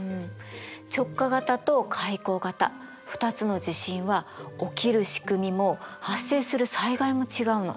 直下型と海溝型２つの地震は起きるしくみも発生する災害も違うの。